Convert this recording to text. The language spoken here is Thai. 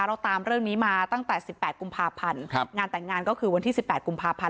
เราตามเรื่องนี้มาตั้งแต่สิบแปดกุมภาพันธ์ครับงานแต่งงานก็คือวันที่สิบแปดกุมภาพันธ์